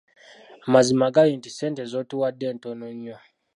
Amazima gali nti ssente z'otuwadde ntono nnyo.